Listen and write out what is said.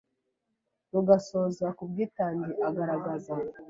Rugasoza ku bwitange agaragaza